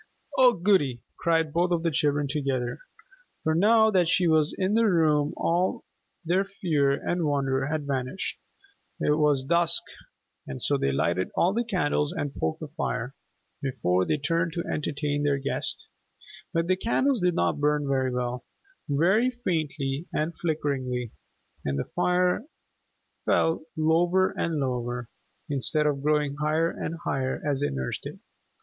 "Oh goody!" cried both of the children together. For now that she was in the room all their fear and wonder had vanished. It was dusk, and so they lighted all the candles and poked the fire, before they turned to entertain their guest. But the candles did not burn very well, very faintly and flickeringly, and the fire fell lower and lower, instead of growing higher and higher as they nursed it.